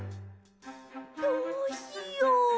どうしよう。